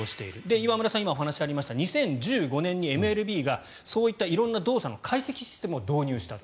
岩村さんから今、お話がありましたが２０１５年にＭＬＢがそういった色んな動作の解析システムを導入したと。